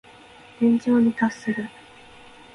天井に達する。